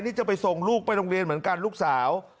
นี่จะไปส่งลูกไปโรงเรียนเหมือนกันลูกสาว